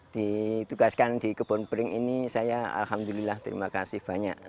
ditugaskan di kebun pring ini saya alhamdulillah terima kasih banyak